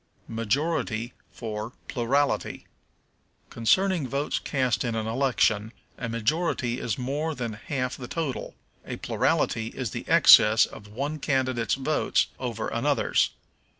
Majority for Plurality. Concerning votes cast in an election, a majority is more than half the total; a plurality is the excess of one candidate's votes over another's.